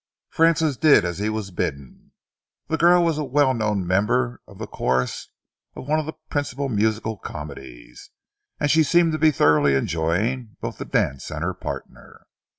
Francis did as he was bidden. The girl was a well known member of the chorus of one of the principal musical comedies, and she seemed to be thoroughly enjoying both the dance and her partner.